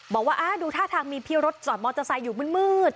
บอกว่าดูท่าทางมีพี่รถจอดมอเตอร์ไซค์อยู่มืด